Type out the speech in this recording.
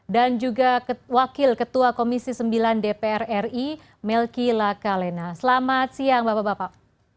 dan juga wakil ketua komisi sembilan dpr ri melky lakalena selamat siang bapak bapak